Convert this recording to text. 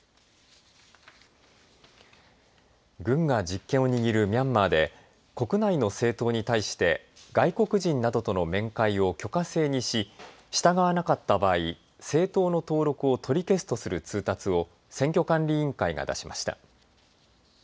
軍が実権を握るミャンマーで国内の政党に対して外国人などとの面会を許可制にし従わなかった場合政党の登録を取り消すとする通達を選挙管理委員会が出しました。